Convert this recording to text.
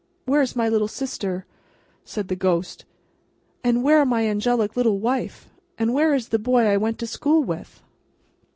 "Where is my little sister," said the ghost, "and where my angelic little wife, and where is the boy I went to school with?"